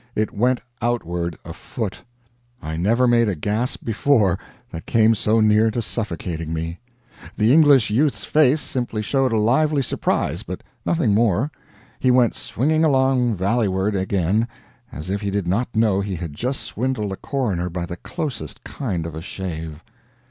It bent outward a foot! I never made a gasp before that came so near suffocating me. The English youth's face simply showed a lively surprise, but nothing more. He went swinging along valleyward again, as if he did not know he had just swindled a coroner by the closest kind of a shave.